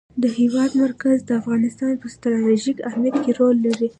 د هېواد مرکز د افغانستان په ستراتیژیک اهمیت کې رول لري.